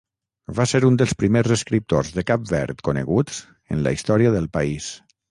Va ser un dels primers escriptors de Cap Verd coneguts en la història del país.